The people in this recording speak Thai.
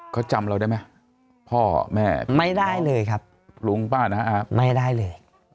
เขาจำเราได้ไหมพ่อแม่ไม่ได้เลยครับลุงป้านะฮะไม่ได้เลย